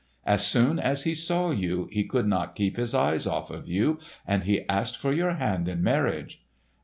As soon as he saw you he could not keep these eyes off of you, and he asked for your hand in marriage."